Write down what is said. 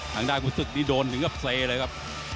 ทางด้านขุมศึกนี่โดนถึงก็เซเลยครับ